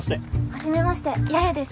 はじめまして八重です。